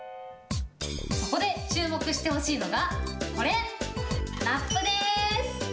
そこで、注目してほしいのがこれ、ラップです。